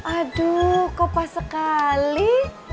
aduh kok pas sekali